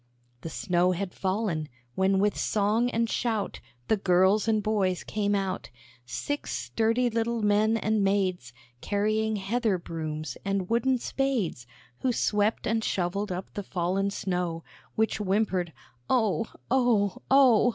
The snow had fallen, when with song and shout The girls and boys came out; Six sturdy little men and maids, Carrying heather brooms, and wooden spades, Who swept and shovelled up the fallen snow, Which whimpered, "Oh! oh! oh!